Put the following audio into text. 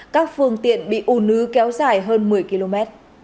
các phương tiện bị u nứ kéo dài hơn một mươi km